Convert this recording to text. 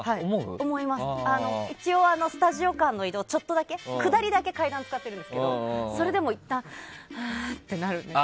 一応、スタジオ間の移動は下りだけ階段を使っているんですけどもそれでもいったんはーってなるんですよ。